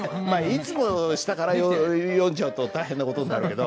いつも下から読んじゃうと大変な事になるけど。